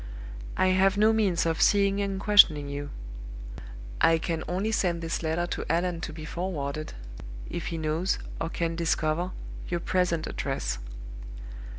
"I have no means of seeing and questioning you. I can only send this letter to Allan to be forwarded, if he knows, or can discover, your present address.